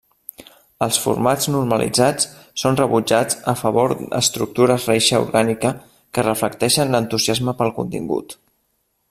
Els formats normalitzats són rebutjats a favor estructures reixa orgànica que reflecteixen l'entusiasme pel contingut.